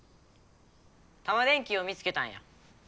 タマ電Ｑを見つけたんや。